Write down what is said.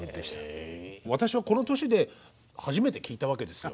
私はこの年で初めて聴いたわけですよ。